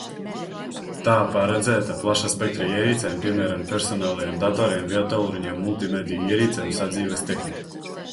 Tā paredzēta plaša spektra ierīcēm, piemēram, personālajiem datoriem, viedtālruņiem, multimediju ierīcēm, sadzīves tehnikai.